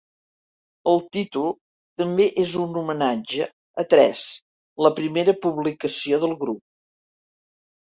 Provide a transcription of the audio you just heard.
El títol també és un homenatge a "Tres", la primera publicació del grup.